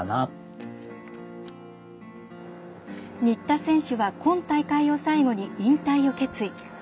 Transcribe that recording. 新田選手は今大会を最後に、引退を決意。